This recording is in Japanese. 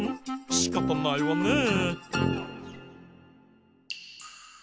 しかたないわねえ。